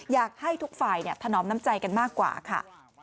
อยากให้ทุกฝ่ายถนอมน้ำใจกันมากกว่าค่ะ